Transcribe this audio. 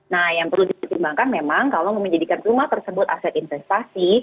nah yang perlu dipertimbangkan memang kalau menjadikan rumah tersebut aset investasi